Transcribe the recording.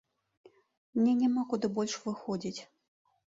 Мне няма куды больш выходзіць.